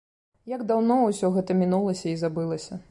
Як даўно ўсё гэта мінулася і забылася!